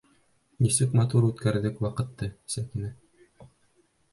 Нисек матур үткәрҙек ваҡытты, Сәкинә!